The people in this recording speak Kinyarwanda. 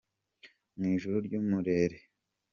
Mu ijuru ry’umurere.